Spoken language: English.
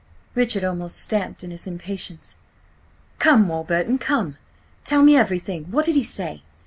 Richard almost stamped in his impatience. "Come, Warburton, come! Tell me everything. What did he say?